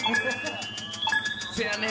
そやねん。